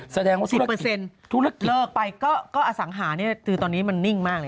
แสดงว่า๑๐ธุรกิจเลิกไปก็อสังหานี่คือตอนนี้มันนิ่งมากเลย